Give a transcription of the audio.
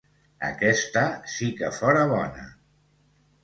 Aquesta sí que fóra bona!